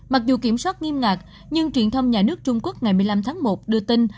mặc dù kiểm soát nghiêm ngặt nhưng truyền thông nhà nước trung quốc ngày một mươi năm tháng một đưa tin